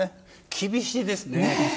厳しいですね。